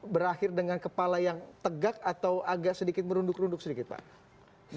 berakhir dengan kepala yang tegak atau agak sedikit merunduk runduk sedikit pak